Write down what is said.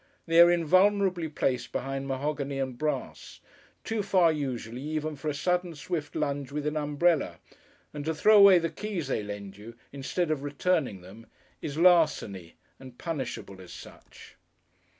They are invulnerably placed behind mahogany and brass, too far usually even for a sudden swift lunge with an umbrella, and to throw away the keys they lend you instead of returning them is larceny and punishable as such.